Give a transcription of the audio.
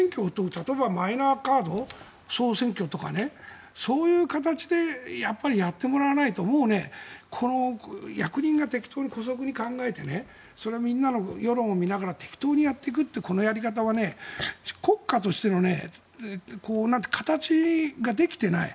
例えば、マイナカード総選挙とかそういう形でやってもらわないともう、役人が適当に姑息に考えてみんなの世論を見ながら適当にやっていくというこのやり方は国家としての形ができてない。